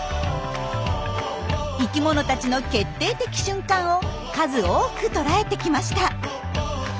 生きものたちの決定的瞬間を数多くとらえてきました。